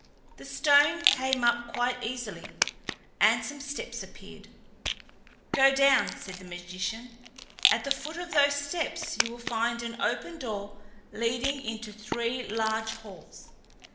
The stone came up quite easily, and some steps appeared. "Go down," said the magician; "at the foot of those steps you will find an open door leading into three large halls.